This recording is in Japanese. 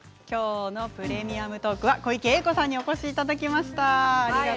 きょうの「プレミアムトーク」は小池栄子さんにお越しいただきました。